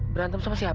berantem sama siapa